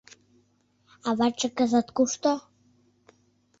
Аватше кызыт кушто?